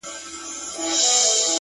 د ژوند په غاړه کي لوېدلی يو مات لاس يمه؛